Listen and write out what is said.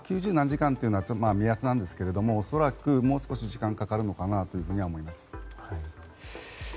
９０何時間というのは目安なんですけど恐らく、もう少し時間がかかると思います。